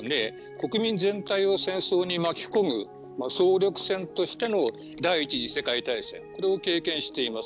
国民全体を戦争に巻き込む総力戦としての第一次世界大戦これを経験しています。